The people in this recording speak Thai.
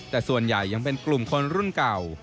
แต่ส่วนใหญ่ยังเป็นกลุ่มคนรุ่นเก่า